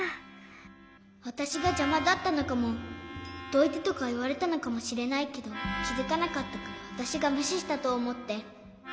わたしがじゃまだったのかも「どいて」とかいわれたのかもしれないけどきづかなかったからわたしがむししたとおもって。